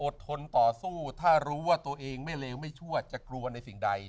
ทนต่อสู้ถ้ารู้ว่าตัวเองไม่เลวไม่ชั่วจะกลัวในสิ่งใด